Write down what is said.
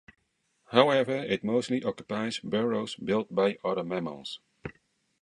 However, it mostly occupies burrows built by other mammals.